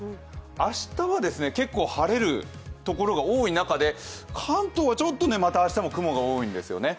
明日は結構晴れるところが多い中で、関東はちょっと、また明日も雲が多いんですよね。